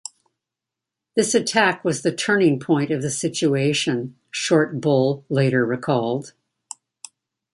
"This attack was the turning point of the situation," Short Bull later recalled.